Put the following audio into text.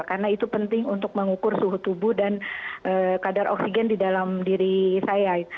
karena itu penting untuk mengukur suhu tubuh dan kadar oksigen di dalam diri saya